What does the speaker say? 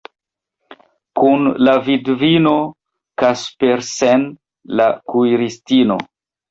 Kun la vidvino Kaspersen, la kuiristino.